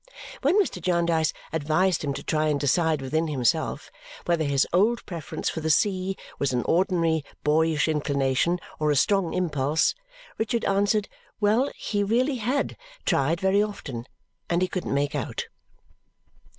When Mr. Jarndyce advised him to try and decide within himself whether his old preference for the sea was an ordinary boyish inclination or a strong impulse, Richard answered, Well he really HAD tried very often, and he couldn't make out.